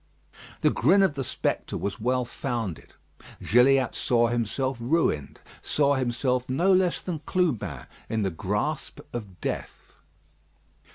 The grin of the spectre was well founded. Gilliatt saw himself ruined; saw himself no less than Clubin in the grasp of death.